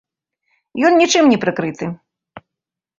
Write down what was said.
Ён нічым не прыкрыты.